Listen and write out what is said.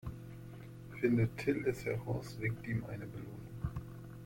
Findet Till es heraus, winkt ihm eine Belohnung.